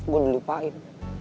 gue udah lupain